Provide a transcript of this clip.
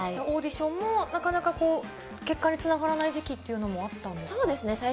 オーディションもなかなか結果につながらない時期っていうのもあったんですか？